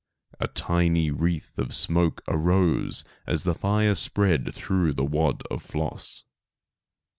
A tiny wreath of smoke arose as the fire spread through the wad of floss.